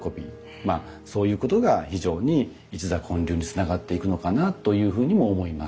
まあそういうことが非常に「一座建立」につながっていくのかなというふうにも思います。